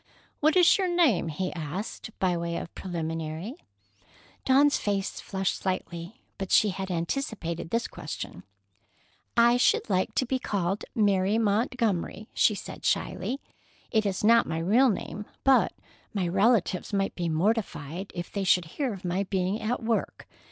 "What is your name?" he asked, by way of preliminary. Dawn's face flushed slightly, but she had anticipated this question. "I should like to be called Mary Montgomery," she said shyly. "It is not my real name, but my relatives might be mortified if they should hear of my being at work.